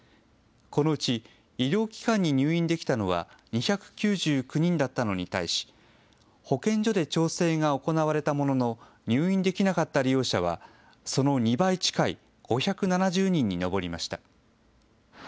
このうち医療機関に入院できたのは２９９人だったのに対し保健所で調整が行われたものの入院できなかった利用者はその２倍近い５７０人に上りました。